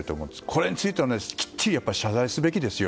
これについてはきっちり謝罪すべきですよ。